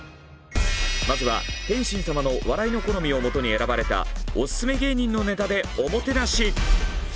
まずは天心様の笑いの好みをもとに選ばれたオススメ芸人のネタでおもてなし。